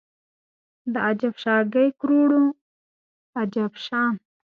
د اجب شاګۍ کروړو عجب شان